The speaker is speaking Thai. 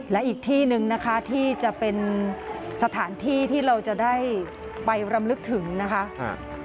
และอีกที่หนึ่งนะคะที่จะเป็นสถานที่ที่เราจะได้ไปรำลึกถึงนะคะ